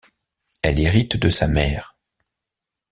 Elle hérite de sa mère.